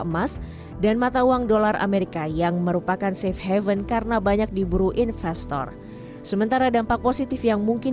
merupakan save heaven karena banyak diburu investor sementara dampak positif yang mungkin